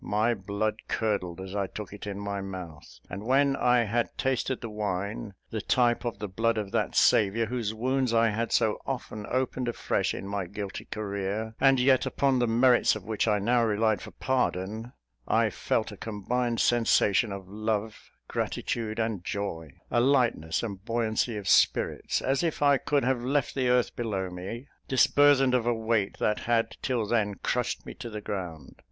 My blood curdled as I took it in my mouth; and when I had tasted the wine, the type of the blood of that Saviour, whose wounds I had so often opened afresh in my guilty career, and yet upon the merits of which I now relied for pardon, I felt a combined sensation of love, gratitude and joy a lightness and buoyancy of spirits, as if I could have left the earth below me, disburthened of a weight that had, till then, crushed me to the ground.